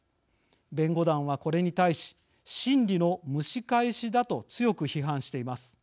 弁護団はこれに対し審理の蒸し返しだと強く批判しています。